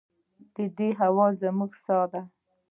د دې هوا زموږ ساه ده